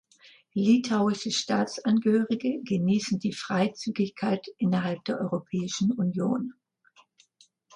Litauische Staatsangehörige genießen die Freizügigkeit innerhalb der Europäischen Union.